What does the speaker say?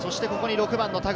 ６番の田口。